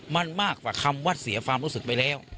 มันมากกว่าคำว่าเสียความรู้สึกไปแล้ว